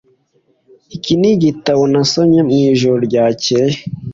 Iki nigitabo nasomye mwijoro ryakeye.